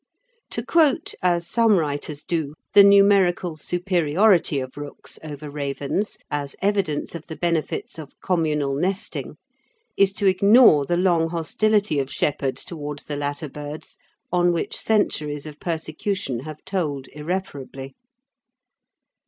To quote, as some writers do, the numerical superiority of rooks over ravens as evidence of the benefits of communal nesting is to ignore the long hostility of shepherds towards the latter birds on which centuries of persecution have told irreparably.